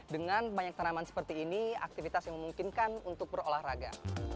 dengan banyak tanaman seperti ini aktivitas yang memungkinkan untuk berolahraga